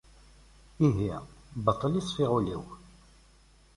Ihi, baṭel i ṣfiɣ ul-iw.